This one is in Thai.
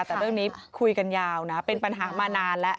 แต่เรื่องนี้คุยกันยาวนะเป็นปัญหามานานแล้ว